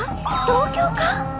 東京か？